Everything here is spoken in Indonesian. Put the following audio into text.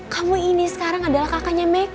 kamu ini sekarang adalah kakaknya meke